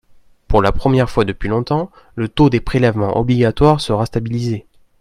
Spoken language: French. Pour la première fois depuis longtemps, le taux des prélèvements obligatoires sera stabilisé.